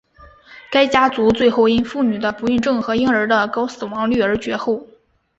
该家族最后因妇女的不孕症和婴儿的高死亡率而绝后。